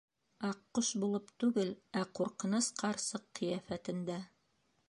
Аҡҡош булып түгел, ә ҡурҡыныс ҡарсыҡ ҡиәфәтендә.